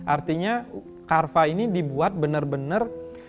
artinya carva ini dibuat benar benar